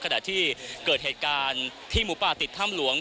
ขณะที่เกิดเหตุการณ์ที่หมูป่าติดถ้ำหลวง